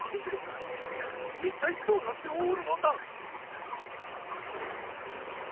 いったいどうなっておるのだ？